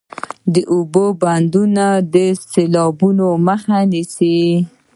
د اوبو بندونه د سیلابونو مخه نیسي